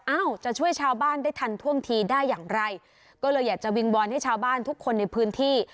จะช่วยชาวบ้านได้ทันท่วงทีได้อย่างไรก็เลยอยากจะวิงวอนให้ชาวบ้านทุกคนในพื้นที่